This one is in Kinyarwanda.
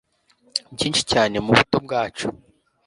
byinshi cyane mu buto bwacu